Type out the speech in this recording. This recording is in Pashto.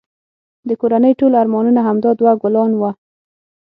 د کورنی ټول ارمانونه همدا دوه ګلان وه